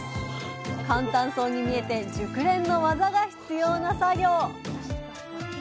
簡単そうに見えて熟練の技が必要な作業。